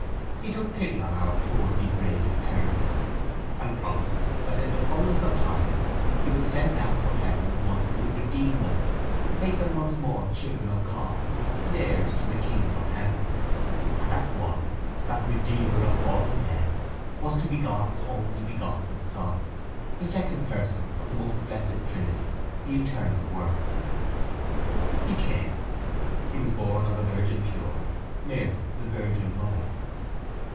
He took pity on our poor degraded parents and promised that in the fullness of time He would send down from heaven One who would redeem them, make them once more children of God and heirs to the kingdom of heaven: and that One, that Redeemer of fallen man, was to be God's only begotten Son, the Second Person of the Most Blessed Trinity, the Eternal Word. —He came. He was born of a virgin pure, Mary the virgin mother.